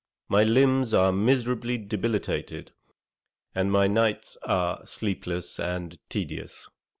My limbs are miserably debilitated, and my nights are sleepless and tedious.